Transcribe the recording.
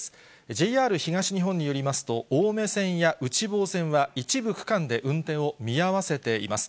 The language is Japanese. ＪＲ東日本によりますと、青梅線や内房線は、一部区間で運転を見合わせています。